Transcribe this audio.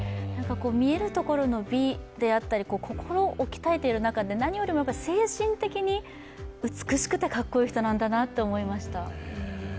見えるところの美であったり心を鍛えている中で何よりも精神的に美しくてかっこいい人なんだなと思いました。